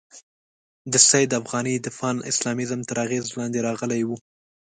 د سید افغاني د پان اسلامیزم تر اغېزې لاندې راغلی وو.